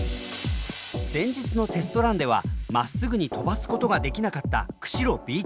前日のテストランではまっすぐに飛ばすことができなかった釧路Ｂチーム。